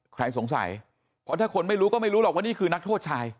ใครสงสัยเพราะถ้าคนไม่รู้ก็ไม่รู้หรอกว่านี่คือนักโทษชาย